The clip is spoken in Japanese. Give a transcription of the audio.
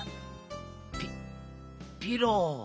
ピピロ。